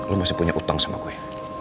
lo masih punya utang sama gue